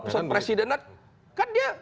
pesawat presiden kan dia